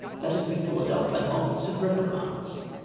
That has been followed up by mulcts and reprimands.